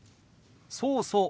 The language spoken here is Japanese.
そうそう。